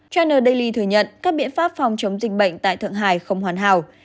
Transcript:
china daily thừa nhận các biện pháp phòng chống dịch bệnh tại thượng hải không hoàn hảo